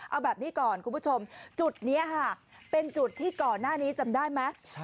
เอาแบบนี้ก่อนคุณผู้ชมจุดนี้ค่ะเป็นจุดที่ก่อนหน้านี้จำได้ไหม